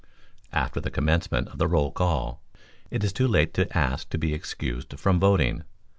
After the commencement of the roll call, it is too late to ask to be excused from voting.